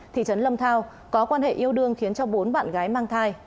thị trấn lâm thao có quan hệ yêu đương khiến cho bốn bạn gái mang thai